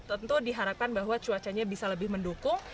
tentu diharapkan bahwa cuacanya bisa lebih mendukung